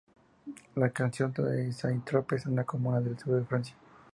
La canción trata de Saint-Tropez, una comuna del sur de Francia.